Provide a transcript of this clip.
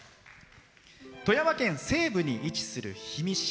富山県西部に位置する氷見市。